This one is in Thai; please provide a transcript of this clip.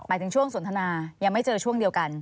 ถึงช่วงสนทนายังไม่เจอช่วงเดียวกัน